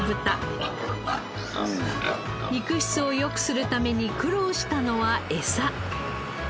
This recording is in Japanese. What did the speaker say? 肉質を良くするために苦労したのはエサ。